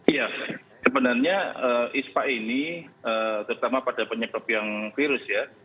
ya sebenarnya ispa ini terutama pada penyebab yang virus ya